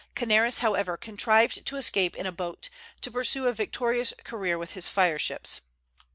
Canaris, however, contrived to escape in a boat, to pursue a victorious career with his fire ships.